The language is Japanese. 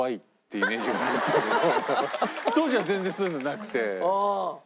当時は全然そういうのなくて。